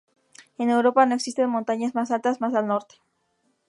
En Europa, no existen montañas más altas más al norte.